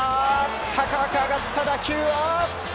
高く上がった打球は。